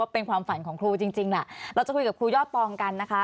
เป็นความฝันของครูจริงและจะคุยกับคุณพี่ช่อตรองกันนะคะ